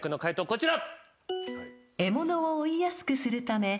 こちら。